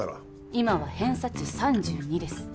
今は偏差値３２です